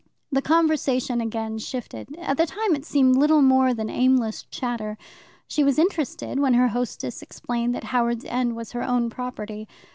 The conversation again shifted. At the time it seemed little more than aimless chatter. She was interested when her hostess explained that Howards End was her own property.